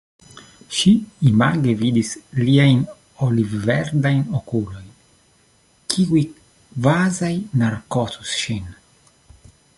Ŝi image vidis liajn olivverdajn okulojn, kiuj kvazaŭ narkotus ŝin.